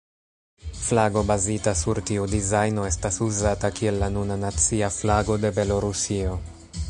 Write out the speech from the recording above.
Flago bazita sur tiu dizajno estas uzata kiel la nuna nacia flago de Belorusio.